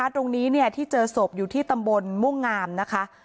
ตรงนี้ที่เจอศพอยู่ที่ตำบลม่วงงามนะคะ